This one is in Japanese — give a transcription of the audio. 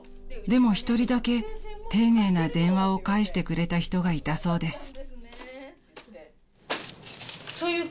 ［でも１人だけ丁寧な電話を返してくれた人がいたそうです］